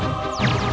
aku akan menang